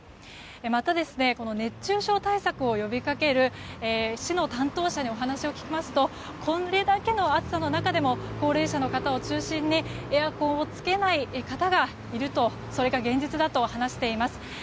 また、熱中症対策を呼びかける市の担当者にお話を聞きますとこれだけの暑さの中でも高齢者の方を中心にエアコンをつけない方がいるとそれが現実だと話しています。